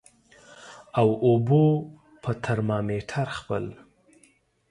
او اوبو په ترمامیټر خپل